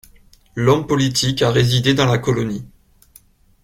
L'homme politique a résidé dans la colonie.